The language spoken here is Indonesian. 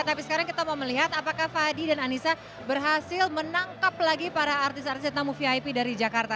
tapi sekarang kita mau melihat apakah fadi dan anissa berhasil menangkap lagi para artis artis tamu vip dari jakarta